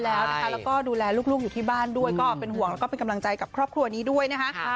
แล้วก็ดูแลลูกอยู่ที่บ้านด้วยก็เป็นห่วงแล้วก็เป็นกำลังใจกับครอบครัวนี้ด้วยนะคะ